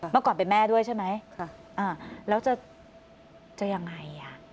เมื่อก่อนเป็นแม่ด้วยใช่ไหมแล้วจะยังไง